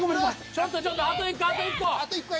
ちょっとちょっとあと１個あと１個。